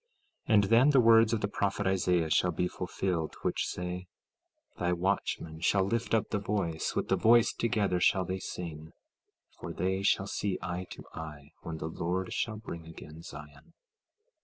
16:17 And then the words of the prophet Isaiah shall be fulfilled, which say: 16:18 Thy watchmen shall lift up the voice; with the voice together shall they sing, for they shall see eye to eye when the Lord shall bring again Zion.